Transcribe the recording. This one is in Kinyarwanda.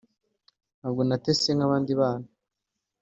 ntabwo natese nk’abandi bana